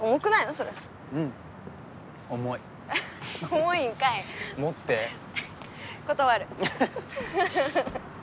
それうん重い重いんかい持って断るハハハ